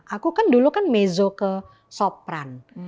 aku kan dulu kan mezo ke sopran